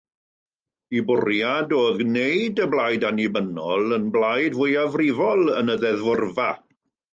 Eu bwriad oedd gwneud y Blaid Annibynnol yn blaid fwyafrifol yn y ddeddfwrfa.